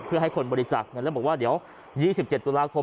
เพื่อให้คนบริจาคเงินแล้วบอกว่าเดี๋ยว๒๗ตุลาคม